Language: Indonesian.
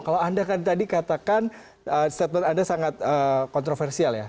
kalau anda kan tadi katakan statement anda sangat kontroversial ya